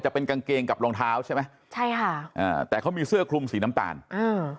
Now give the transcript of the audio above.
จะเป็นกางเกงกับรองเท้าใช่ไหมใช่ค่ะอ่าแต่เขามีเสื้อคลุมสีน้ำตาลอืม